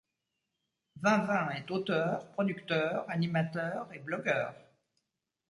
Vinvin est auteur, producteur, animateur et blogueur.